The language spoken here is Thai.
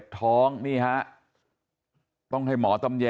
สวัสดีครับคุณผู้ชาย